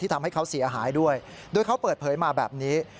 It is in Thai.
ทำให้เขาเสียหายด้วยโดยเขาเปิดเผยมาแบบนี้